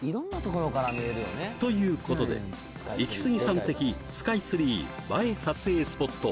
はいということでイキスギさん的スカイツリー映え撮影スポット